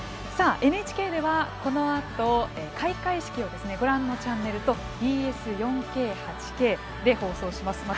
ＮＨＫでは、このあと開会式をご覧のチャンネルとＢＳ４Ｋ、８Ｋで放送します。